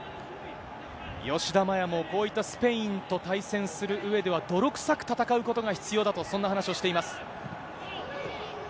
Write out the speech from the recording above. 吉田麻也もこういったスペインと対戦するうえでは、泥臭く戦うことが必要だと、そんな話をしています。